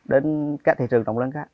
đến các thị trường rộng lớn khác